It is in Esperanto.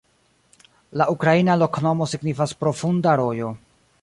La ukraina loknomo signifas: profunda rojo.